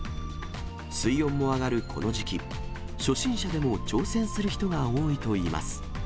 水温も上がるこの時期、初心者でも挑戦する人が多いといいます。